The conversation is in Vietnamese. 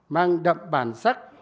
mang đậm bản sắc